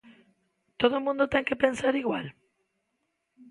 Todo o mundo ten que pensar igual?